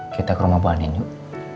kita ke rumah panen yuk